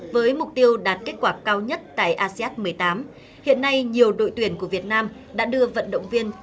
với mục tiêu đạt kết quả cao nhất tại asean một mươi tám hiện nay nhiều đội tuyển của việt nam đã đưa vận động viên